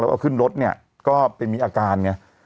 แล้วก็ขึ้นรถเนี่ยก็ไปมีอาการไง